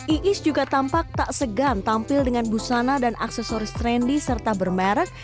iis juga tampak tak segan tampil dengan busana dan aksesoris trendy serta bermerek